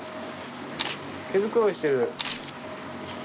毛繕いしてる。